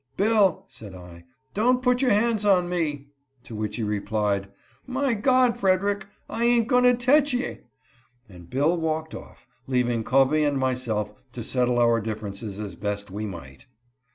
" Bill," said I, " don't put your hands on me." To which he replied :" My God, Freder ick, I ain't goin' to tech ye "; and Bill walked off, leaving Covey and myself to settle our differences as best we might.